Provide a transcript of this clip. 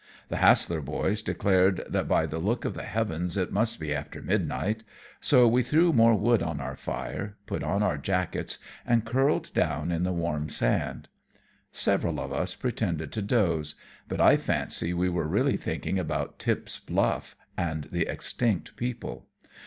The Hassler boys declared that by the look of the heavens it must be after midnight, so we threw more wood on our fire, put on our jackets, and curled down in the warm sand. Several of us pretended to doze, but I fancy we were really thinking about Tip's Bluff and the extinct people.